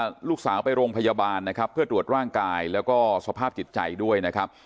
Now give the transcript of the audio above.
ลูกสาวไปโรงพยาบาลนะครับเพื่อตรวจร่างกายแล้วก็สภาพจิตใจด้วยนะครับ